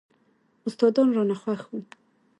استادان رانه خوښ وو.